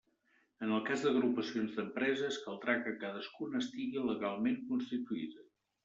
En el cas d'agrupacions d'empreses, caldrà que cadascuna estigui legalment constituïda.